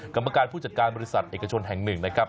กรรมการผู้จัดการบริษัทเอกชนแห่งหนึ่งนะครับ